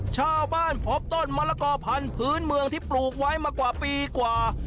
ชาวบ้านพบต้นมะละกอพันธุ์พื้นเมืองที่ปลูกไว้มากว่าปีกว่า